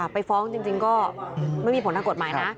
ไปฟ้องจริงก็ไม่มีผลทางกฎหมายนะ